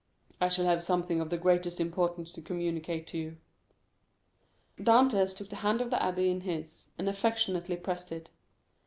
I shall have something of the greatest importance to communicate to you." Dantès took the hand of the abbé in his, and affectionately pressed it.